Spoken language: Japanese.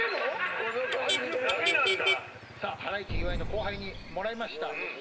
ハライチ岩井の後輩にもらいました。